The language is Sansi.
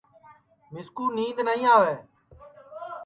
میسکُو نِینٚدؔ نائی آوے